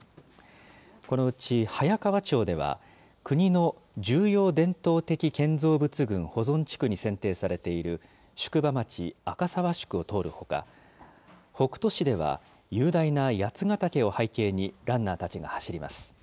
このうち早川町では、国の重要伝統的建造物群保存地区に選定されている宿場町、赤沢宿を通るほか、北杜市では雄大な八ヶ岳を背景にランナーたちが走ります。